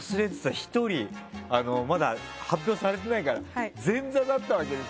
１人まだ発表されてないから前座だったわけですよ